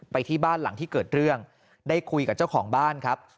ไปที่บ้านหลังที่เกิดเรื่องได้คุยกับเจ้าของบ้านครับ